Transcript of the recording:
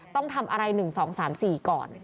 ต้องทำอะไร๑๒๓๔ก่อน